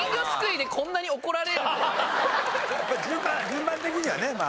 順番的にはねまあまあ。